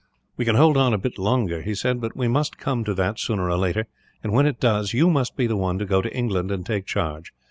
"'We can hold on a bit longer,' he said, 'but we must come to that, sooner or later and, when it does, you must be the one to go to England and take charge.